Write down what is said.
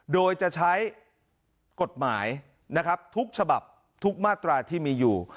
โดยจะใช้กฎหมายนะครับทุกฉบับทุกมาตราที่มีอยู่